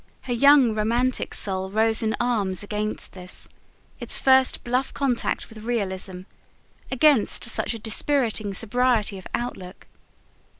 Her young, romantic soul rose in arms against this, its first bluff contact with realism, against such a dispiriting sobriety of outlook.